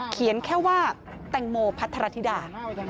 เขียนแค่ว่าแตงโมพัทรธิดา